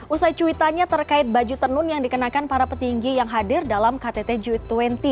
usai cuitannya terkait baju tenun yang dikenakan para petinggi yang hadir dalam ktt g dua puluh